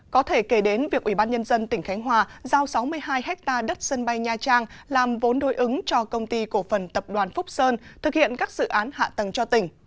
có thể kể đến việc ủy ban nhân dân tỉnh khánh hòa giao sáu mươi hai ha đất sân bay nha trang làm vốn đối ứng cho công ty cổ phần tập đoàn phúc sơn thực hiện các dự án hạ tầng cho tỉnh